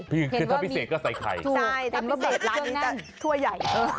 พี่อื่นถ้าพิเศษก็ใส่ไข่ทั่วใหญ่